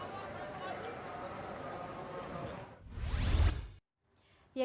jalan jalan men